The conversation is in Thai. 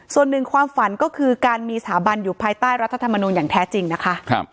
ส่วนหนึ่งความฝันก็คือการมีสถาบันอยู่ภายใต้รัฐธรรมนูลอย่างแท้จริงนะคะ